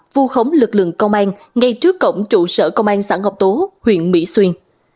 vu khống lực lượng công an ngay trước cổng trụ sở công an xã ngọc tố huyện mỹ xuyên